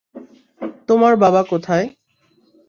তোমার বাবা কোথায়?